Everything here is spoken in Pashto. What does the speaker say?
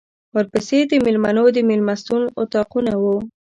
ورپسې د مېلمنو د مېلمستون اطاقونه وو.